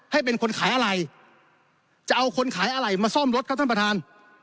ให้เป็นคนขายอะไรจะเอาคนขายอะไรมาซ่อมรถครับท่านประธาน